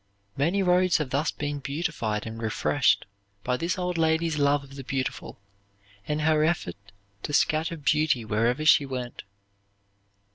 Many roads have thus been beautified and refreshed by this old lady's love of the beautiful and her effort to scatter beauty wherever she went.